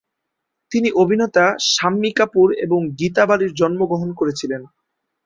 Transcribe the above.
তিনি অভিনেতা শাম্মী কাপুর এবং গীতা বালির জন্মগ্রহণ করেছিলেন।